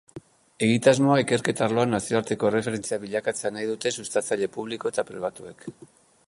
Egitasmoa ikerketa arloan nazioarteko erreferentzia bilakatzea nahi dute sustatzaile publiko eta pribatuek.